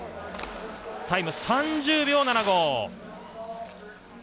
タイム、３０秒７５。